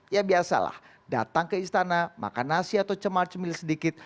ya biasalah datang ke istana makan nasi atau cemal cemil sedikit